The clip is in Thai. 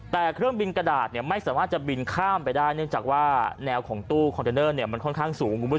แต่เครื่องบินกระดาษไม่สามารถจะบินข้ามไปได้เนื่องจากว่าแนวของตู้คอนเทนเนอร์มันค่อนข้างสูงคุณผู้ชม